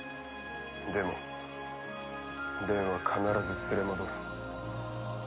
でも蓮は必ず連れ戻す。